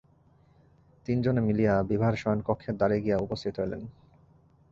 তিন জনে মিলিয়া বিভার শয়নকক্ষের দ্বারে গিয়া উপস্থিত হইলেন।